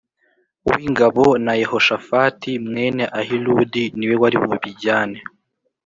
w ingabo na Yehoshafati mwene Ahiludi ni we wari bubijyane